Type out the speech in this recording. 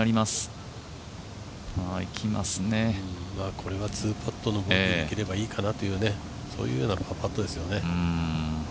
これは２パットのボギーにできればいいかなというそういうようなパーパットですね。